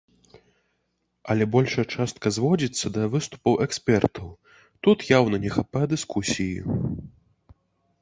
Але большая частка зводзіцца да выступаў экспертаў, тут яўна не хапае дыскусіі.